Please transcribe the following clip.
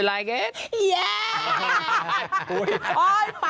โอ้ยปากไปกินอะไรมา